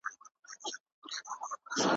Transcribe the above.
د موضوع تحلیل د څېړونکي د وړتیا کچه ښيي.